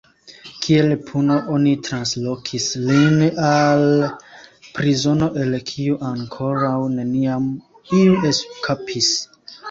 Kiel puno oni translokis lin al prizono el kiu ankoraŭ neniam iu eskapis.